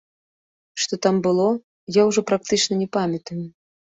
Што там было, я ўжо практычна не памятаю.